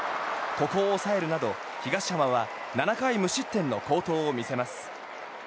ここを抑えるなど東浜は７回無失点の好投を見せます。